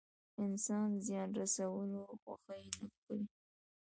انسان زيان رسولو خوښي نه کوي.